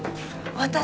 私